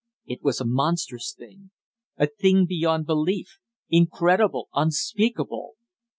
It was a monstrous thing! A thing beyond belief incredible, unspeakable!